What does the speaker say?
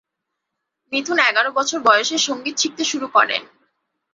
মিথুন এগারো বছর বয়সে সঙ্গীত শিখতে শুরু করেন।